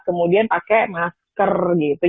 kemudian pakai masker gitu